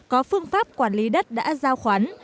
có phương pháp quản lý đất đã giao khoán